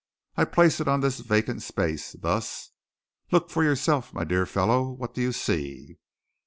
I place it on this vacant space thus. Look for yourself, my dear fellow. What do you see?"